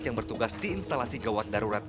yang bertugas di instalasi gawat darurat